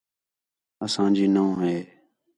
اسانجی نَوح ہِے